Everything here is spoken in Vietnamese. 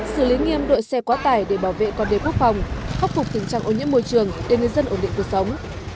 xử lý nghiêm đội xe quá tải để bảo vệ con đê quốc phòng khắc phục tình trạng ô nhiễm môi trường để người dân ổn định cuộc sống